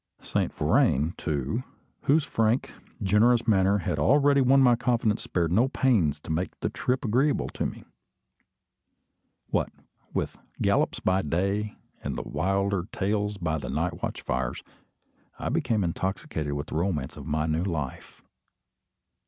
Saint Vrain, too, whose frank, generous manner had already won my confidence, spared no pains to make the trip agreeable to me. What with gallops by day and the wilder tales by the night watch fires, I became intoxicated with the romance of my new life.